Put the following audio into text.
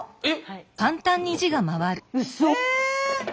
えっ！